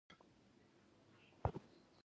د زیتون تیل تر ټولو غوره دي.